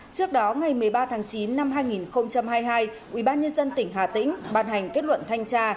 trước đó ngày một mươi ba tháng chín năm hai nghìn hai mươi hai ubnd tỉnh hà tĩnh ban hành kết luận thanh tra